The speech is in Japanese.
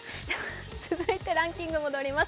続いてランキング戻ります。